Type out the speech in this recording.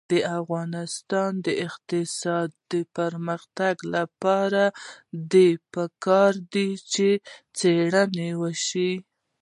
د افغانستان د اقتصادي پرمختګ لپاره پکار ده چې څېړنه وشي.